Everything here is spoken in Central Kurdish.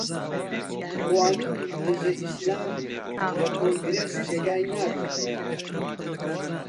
ڕوانینی دژە ئیسلام لە کۆنگرێس جێگای نابێتەوە